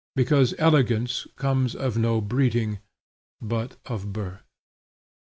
Because elegance comes of no breeding, but of birth.